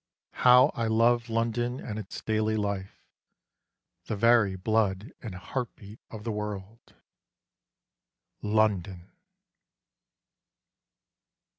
How I love London and its daily life, The very blood and heart beat of the world. London